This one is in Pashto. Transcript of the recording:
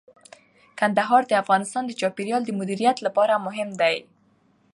کندهار د افغانستان د چاپیریال د مدیریت لپاره مهم دي.